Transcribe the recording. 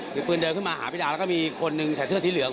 ถือปืนเดินขึ้นมาหาพี่ดาวแล้วก็มีคนหนึ่งใส่เสื้อสีเหลือง